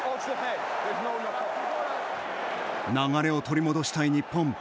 流れを取り戻したい日本。